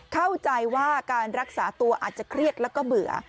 เข้าใจว่าการรักษาตัวอาจจะเครียดแล้วก็เบื่อ